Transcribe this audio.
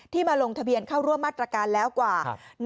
มาลงทะเบียนเข้าร่วมมาตรการแล้วกว่า